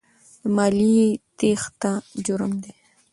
د مالیې تېښته جرم دی.